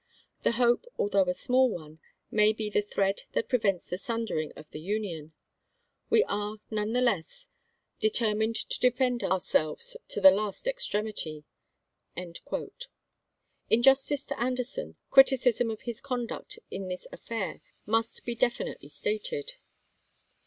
The hope, although a small one, may be the thread that pre Fo8ter t0 vents the sundering of the Union. We are none j^fSn. the less determined to defend ourselves to the last i'., p*. m ' extremity." In justice, to Anderson, criticism of his conduct in this affair must be definitely stated.